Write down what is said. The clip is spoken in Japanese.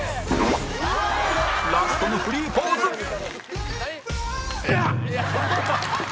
ラストのフリーポーズヤー！！